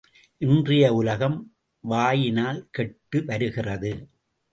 இன்றைய உலகம் வாயினால் கெட்டு வருகிறது.